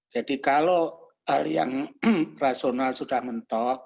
jadi kalau yang rasional sudah mentok